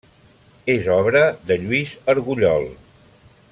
És obra de Lluís Argullol.